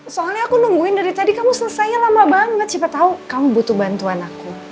soalnya aku nungguin dari tadi kamu selesainya lama banget siapa tahu kamu butuh bantuan aku